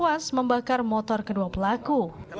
tewas membakar motor kedua pelaku